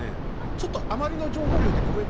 ちょっとあまりの情報量でごめん。